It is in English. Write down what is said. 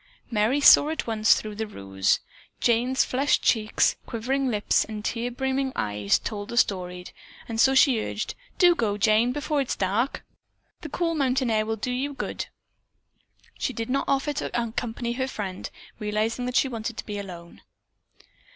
Merry at once saw through the ruse. Jane's flushed cheeks, quivering lips and tear brimmed eyes told the story, and so she urged, "Do go, Jane, before it is dark. The cool mountain air will do you good." She did not offer to accompany her friend, realizing that she wanted to be alone.